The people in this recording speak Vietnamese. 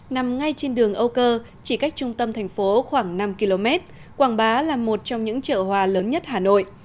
nằm ngay trên đường âu cơ chỉ cách trung tâm thành phố khoảng năm km quảng bá là một trong những chợ hoa lớn nhất hà nội